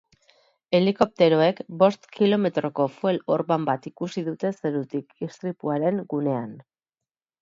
Helikopteroek bost kilometroko fuel orban bat ikusi dute zerutik, istripuaren gunean.